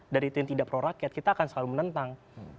dari itu yang tidak prorakyat kita akan selalu menentang